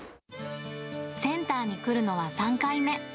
センターに来るのは３回目。